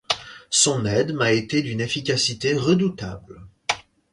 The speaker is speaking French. Son aide m’a été d’une efficacité redoutable.